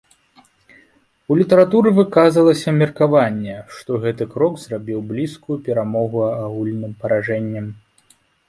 У літаратуры выказвалася меркаванне, што гэты крок зрабіў блізкую перамогу агульным паражэннем.